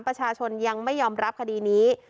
ประชาชนยังไม่ยอมรับคดีนี้